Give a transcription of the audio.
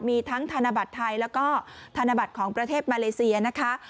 มีทั้งธนบัตรไทยแล้วก็ธนบัตรของประเทศมาเลเซียนะคะ